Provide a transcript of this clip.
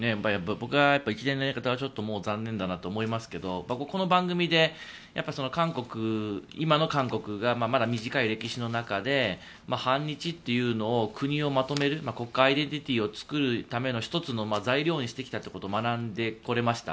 僕は一連のやり方は残念だと思いますけどこの番組で今の韓国がまだ短い歴史の中で反日というのを、国をまとめる国家アイデンティティーを作る１つの材料にしてきたことを学んでこれました。